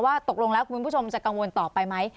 ตกลงแล้วคุณผู้ชมจะกังวลต่อไปไหม